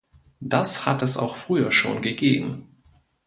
Das hat es auch früher schon gegeben.